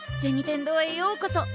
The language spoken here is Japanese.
天堂へようこそ。